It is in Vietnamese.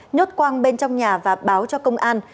nhốt quang bên trong nhà và báo cho công an